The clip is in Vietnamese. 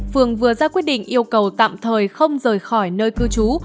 phường vừa ra quyết định yêu cầu tạm thời không rời khỏi nơi cư trú